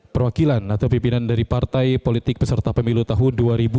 perwakilan atau pimpinan dari partai politik peserta pemilu tahun dua ribu dua puluh